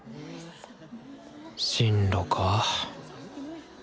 進路か。